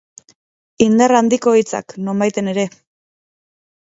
Indar handiko hitzak, nonbaiten ere.